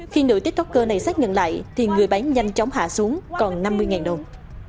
khi nữ tiktoker này xác nhận lại thì người bán nhanh chóng hạ xuống còn năm mươi đồng